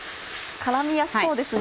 絡みやすそうですね。